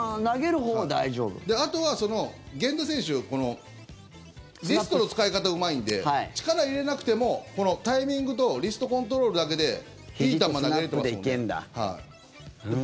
あとは、源田選手リストの使い方がうまいんで力、入れなくてもタイミングとリストコントロールだけでいい球、投げれてますもんね。